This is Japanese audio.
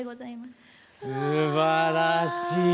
すばらしい。